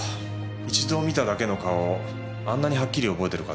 一度見ただけの顔をあんなにはっきり覚えてる方は。